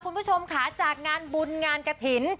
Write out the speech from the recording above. คุณผู้ชมค่ะจากงานบุญงานกระถิ่น